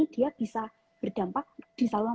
dia bisa berdampak di saluran